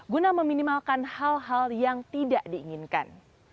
guna meminimalkan hal hal yang tidak diinginkan